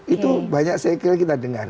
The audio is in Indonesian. itu banyak sekali kita dengar